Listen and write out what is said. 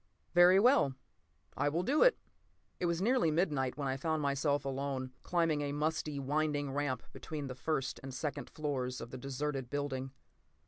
"Very well, I will do it!" It was nearly midnight when I found myself alone, climbing a musty, winding ramp between the first and second floors of the deserted building.